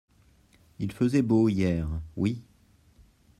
Il faisait beau hier. Oui.